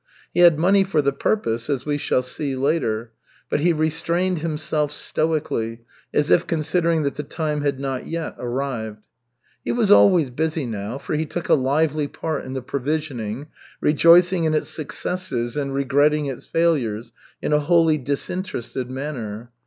He had money for the purpose, as we shall see later. But he restrained himself stoically, as if considering that the time had not yet arrived. He was always busy now, for he took a lively part in the provisioning, rejoicing in its successes and regretting its failures in a wholly disinterested manner.